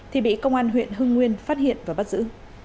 thì bị công an huyện hưng nguyên phát hiện và bắt giữ